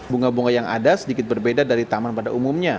bunga bunga yang ada sedikit berbeda dari taman pada umumnya